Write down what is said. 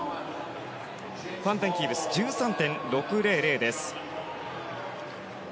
ファン・デン・キーブス１３．６００です。